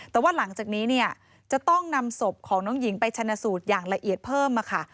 แต่ว่าหลังจากนี้เนี่ยจะต้องนำศพของน้องหญิงไปชนะสูตรอย่างละเอียดเพิ่มค่ะ